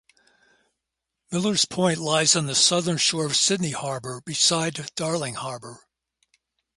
Millers Point lies on the southern shore of Sydney Harbour, beside Darling Harbour.